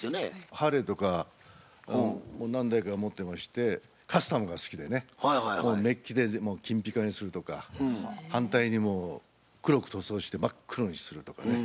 ハーレーとか何台か持ってましてカスタムが好きでねメッキでもう金ピカにするとか反対にもう黒く塗装して真っ黒にするとかね。